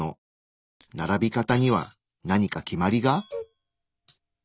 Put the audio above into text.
並び方には何か決まりが？